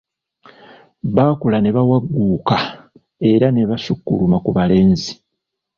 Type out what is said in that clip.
Bakula ne bawagguuka era ne basukkuluma ku balenzi.